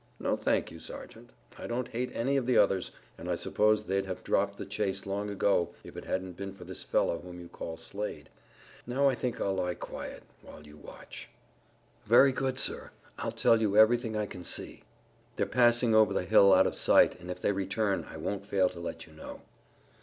"No thank you, Sergeant. I don't hate any of the others, and I suppose they'd have dropped the chase long ago if it hadn't been for this fellow whom you call Slade. Now, I think I'll lie quiet, while you watch." "Very good, sir. I'll tell you everything I can see. They're passing over the hill out of sight, and if they return I won't fail to let you know."